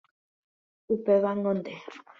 Upévango nde